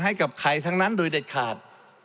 ให้กับใครทั้งนั้นโดยเด็ดขาด